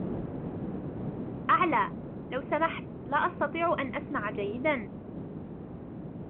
أعلى ، لو سمحت ، لا أستطيع أن أسمع جيدا.